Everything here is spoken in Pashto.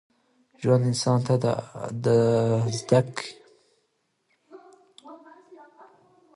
ژوند انسان ته دا زده کوي چي بخښنه ستره ځواک ده.